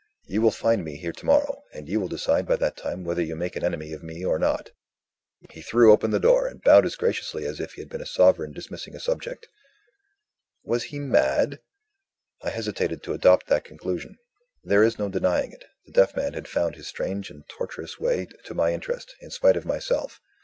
You will find me here tomorrow, and you will decide by that time whether you make an enemy of me or not." He threw open the door, and bowed as graciously as if he had been a sovereign dismissing a subject. Was he mad? I hesitated to adopt that conclusion. There is no denying it, the deaf man had found his own strange and tortuous way to my interest, in spite of myself.